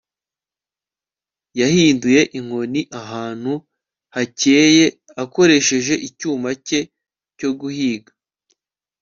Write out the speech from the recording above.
yahinduye inkoni ahantu hakeye akoresheje icyuma cye cyo guhiga